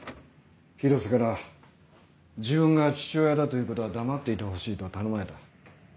広瀬から自分が父親だということは黙っていてほしいと頼まれた。